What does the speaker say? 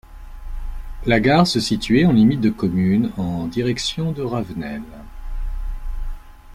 La gare se situait en limite de commune en direction de Ravenel.